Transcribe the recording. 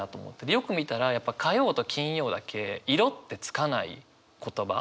でよく見たらやっぱ火曜と金曜だけ「色」ってつかない言葉。